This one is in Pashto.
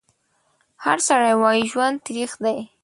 هر سړی وایي ژوند تریخ دی